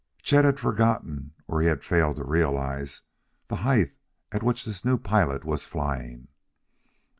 Chet had forgotten or he had failed to realize the height at which this new pilot was flying.